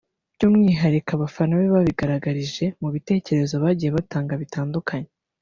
byumwihariko abafana be babigaragarije mu bitekerezo bagiye batanga bitandukanye